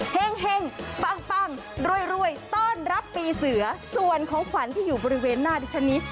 เห็งปังรวยต้อนรับปีเสือส่วนของขวัญที่อยู่บริเวณหน้าดิฉันนี้